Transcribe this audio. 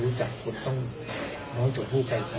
ุ้จักษ์คนต้องน้องสุภุใหก่ซิ